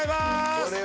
「これは」